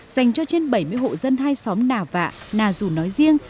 dành cho trên bảy mươi hộ dân hai xóm nà vạ nà dù nói riêng